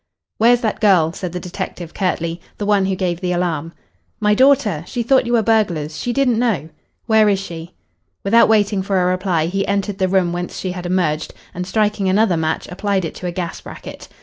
"Where's that girl?" said the detective curtly. "The one who gave the alarm." "My daughter? She thought you were burglars. She didn't know." "Where is she?" Without waiting for a reply he entered the room whence she had emerged and, striking another match, applied it to a gas bracket.